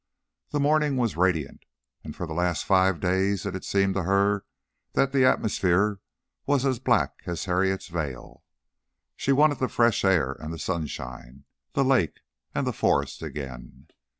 The morning was radiant, and for the last five days it had seemed to her that the atmosphere was as black as Harriet's veil. She wanted the fresh air and the sunshine, the lake and the forest again.